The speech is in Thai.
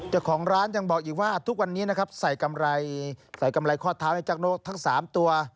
เจ้าของร้านยังบอกอีกว่าทุกวันนี้ใส่กำไรข้อเท้าให้จากโน๊กทั้ง๓ตัว